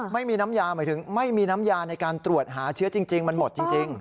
ไม่มีน้ำยาหมายถึงไม่มีน้ำยาในการตรวจหาเชื้อจริงมันหมดจริง